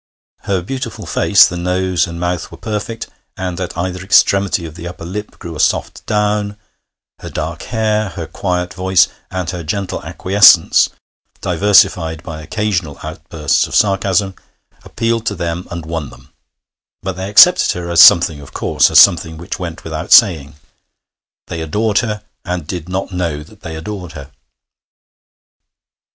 Her beautiful face (the nose and mouth were perfect, and at either extremity of the upper lip grew a soft down), her dark hair, her quiet voice and her gentle acquiescence (diversified by occasional outbursts of sarcasm), appealed to them and won them; but they accepted her as something of course, as something which went without saying. They adored her, and did not know that they adored her.